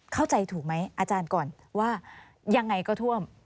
เข้าใจถูกไหมอาจารย์ก่อนว่ายังไงก็ท่วม